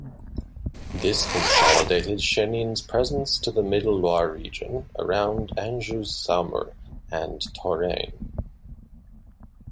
This consolidated Chenin's presence to the Middle Loire region around Anjou-Saumur and Touraine.